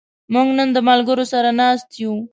موږ نن د ملګرو سره ناست یو.